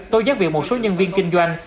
tôi giác viện một số nhân viên kinh doanh